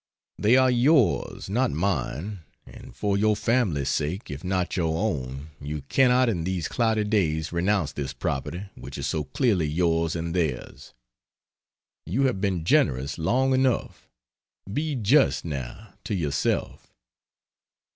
They are yours, not mine, and for your family's sake if not your own you cannot in these cloudy days renounce this property which is so clearly yours and theirs. You have been generous long enough; be just, now to yourself.